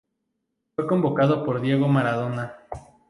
Fue convocado por Diego Maradona.